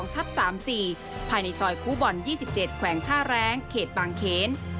ทับ๓๔ภายในซอยคูบอล๒๗แขวงท่าแรงเขตบางเขน